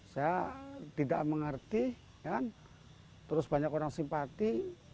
saya tidak mengerti terus banyak orang simpati